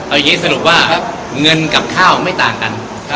เอาอย่างนี้สรุปว่าเงินกับข้าวไม่ต่างกัน